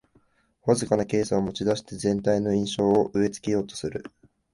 わずかなケースを持ちだして全体の印象を植え付けようとする